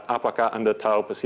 apakah anda tahu